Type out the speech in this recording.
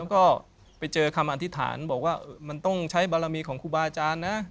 ก็ไปเจอคำอธิษฐานบอกว่ามันต้องใช้บารมีของครูบาอาจารย์นะ